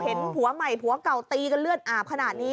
ผัวใหม่ผัวเก่าตีกันเลือดอาบขนาดนี้